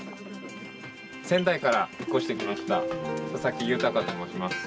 仙台から引っ越してきました佐々木尭と申します。